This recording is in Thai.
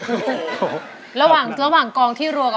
พี่ต้องรู้หรือยังว่าเพลงนี้เพลงอะไร